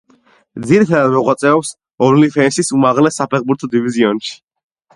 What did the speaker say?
ძირითადად მოღვაწეობს ნიდერლანდების უმაღლეს საფეხბურთო დივიზიონში.